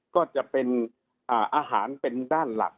ก็จะเป็นอาหารเป็นด้านหลัก